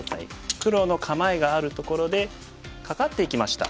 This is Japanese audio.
黒の構えがあるところでカカっていきました。